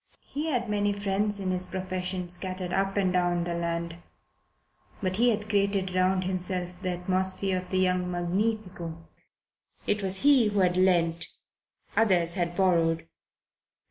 He had many friends in his profession, scattered up and down the land. But he had created round himself the atmosphere of the young magnifico. It was he who had lent, others who had borrowed.